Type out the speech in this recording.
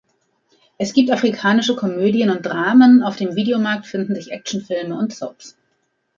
Es gibt afrikanische Komödien und Dramen, auf dem Videomarkt finden sich Actionfilme und Soaps.